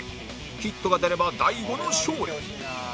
ヒットが出れば大悟の勝利